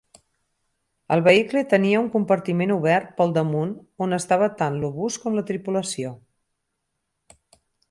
El vehicle tenia un compartiment obert pel damunt on estava tant l'obús com la tripulació.